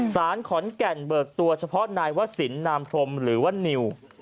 สารขอนแก่นเบิกตัวเฉพาะนายวศิลปนามพรมหรือว่านิว